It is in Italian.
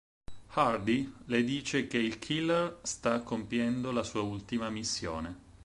Hardy le dice che il killer sta compiendo la sua ultima missione.